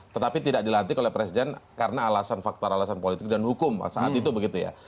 tetapi tidak dilantik oleh presiden karena alasan faktor alasan politik dan hukum saat itu begitu ya